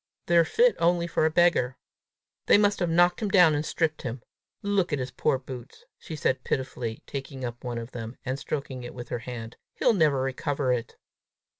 They're fit only for a beggar! They must have knocked him down and stripped him! Look at his poor boots!" she said pitifully, taking up one of them, and stroking it with her hand. "He'll never recover it!"